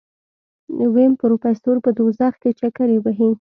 ويم پروفيسر په دوزخ کې چکرې وهي.